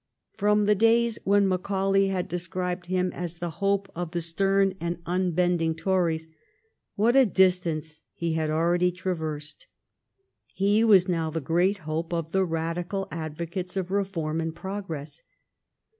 From the days when Macaulay had described him as the hope of the stern and unbending Tories, what a distance he had already traversed! He was now the great hope of the Radical advocates of reform and progress.